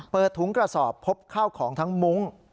ถุงกระสอบพบข้าวของทั้งมุ้ง